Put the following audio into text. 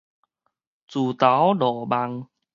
自投羅網